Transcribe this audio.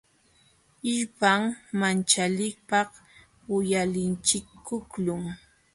Illpam manchaliypaq uyalichikuqlun.